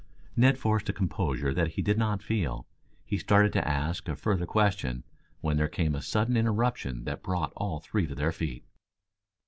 Ned forced a composure that he did not feel. He started to ask a further question, when there came a sudden interruption that brought all three to their feet.